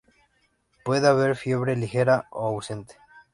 Puede haber fiebre ligera o ausente.